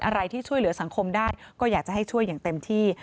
อะไรที่ช่วยเหลือสังคมได้ก็อยากจะให้ช่วยอย่างเต็มที่